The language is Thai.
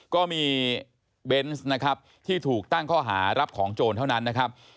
ก็มีเบนส์นะครับที่ถูกตั้งข้อหารับของโจรเท่านั้นนะครับ